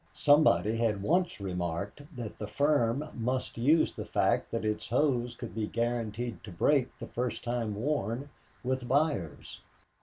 Somebody had once remarked that the firm must use the fact that its hose could be guaranteed to break the first time worn, with buyers.